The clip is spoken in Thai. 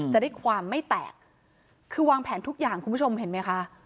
จะได้ความไม่แตกคือวางแผนทุกอย่างคุณผู้ชมเห็นไหมคะ